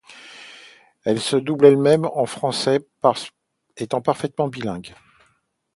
Elle se double elle-même en français, étant parfaitement bilingue.